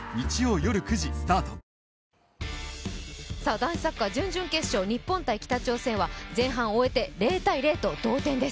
男子サッカー、準々決勝、日本×北朝鮮は前半を終えて０−０と同点です。